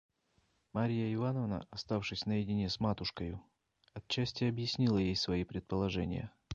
Марья Ивановна, оставшись наедине с матушкою, отчасти объяснила ей свои предположения.